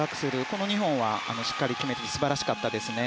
この２本はしっかり決めて素晴らしかったですね。